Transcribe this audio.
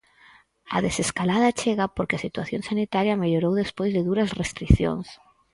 A desescalada chega porque a situación sanitaria mellorou despois de duras restricións...